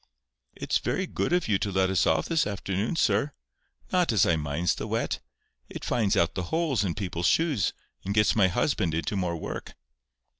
"It's very good of you to let us off this afternoon, sir. Not as I minds the wet: it finds out the holes in people's shoes, and gets my husband into more work."